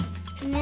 ね